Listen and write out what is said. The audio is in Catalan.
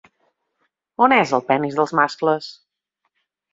On és el penis dels mascles?